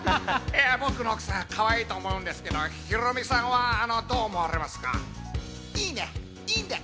僕の奥さん、かわいいと思うんですけど、ヒロミさんはどう思われますか？